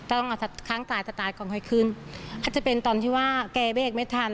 ต้องเอาข้างตายจะตายก่อนค่อยขึ้นอาจจะเป็นตอนที่ว่าแกเบรกไม่ทัน